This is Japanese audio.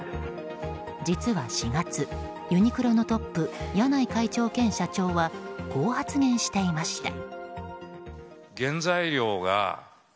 実は４月、ユニクロのトップ柳井会長兼社長はこう発言していました。